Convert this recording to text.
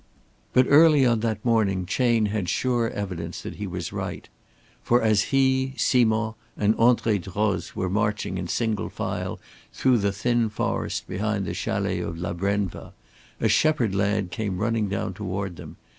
But early on that morning Chayne had sure evidence that he was right. For as he, Simond and André Droz were marching in single file through the thin forest behind the chalets of La Brenva, a shepherd lad came running down toward them.